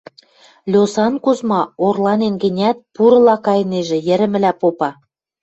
Льосан Кузьма орланен гӹнят, пурыла кайнежӹ, йӹрӹмӹлӓ попа: